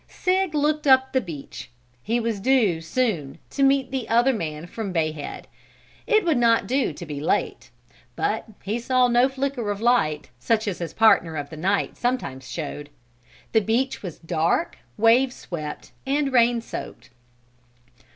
Sig looked up the beach. He was due, soon, to meet the other man from Bay Head. It would not do to be late. But he saw no flicker of light, such as his partner of the night sometimes showed. The beach was dark, wave swept and rain soaked.